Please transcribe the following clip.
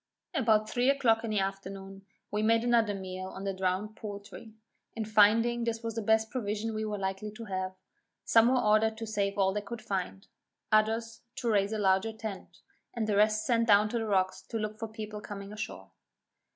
About three o'clock in the afternoon we made another meal on the drowned poultry, and finding this was the best provision we were likely to have; some were ordered to save all they could find, others to raise a larger tent, and the rest sent down to the rocks to look for people coming ashore.